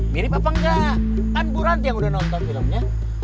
mirip apa enggak kan bu ranti yang udah nonton filmnya